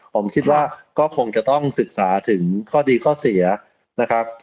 ผมคิดว่าก็คงจะต้องศึกษาถึงข้อดีข้อเสียนะครับ